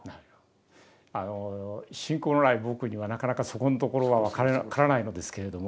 あの信仰のない僕にはなかなかそこんところは分からないのですけれども。